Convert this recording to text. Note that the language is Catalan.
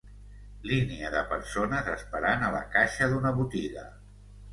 Línia de persones esperant a la caixa d"una botiga.